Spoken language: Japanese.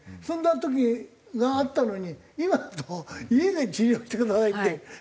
そんな時があったのに今だと家で治療してくださいって。